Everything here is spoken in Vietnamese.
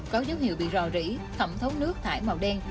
có dấu hiệu bị rò rỉ thẩm thống nước thải màu đen